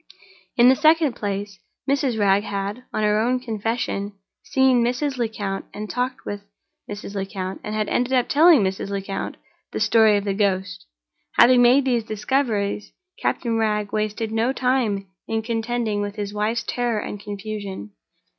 In the second place, Mrs. Wragge had, on her own confession, seen Mrs. Lecount, had talked with Mrs. Lecount, and had ended by telling Mrs. Lecount the story of the ghost. Having made these discoveries, Captain Wragge wasted no time in contending with his wife's terror and confusion.